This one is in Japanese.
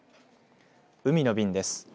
海の便です。